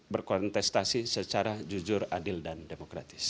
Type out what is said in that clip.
berkontestasi secara jujur adil dan demokratis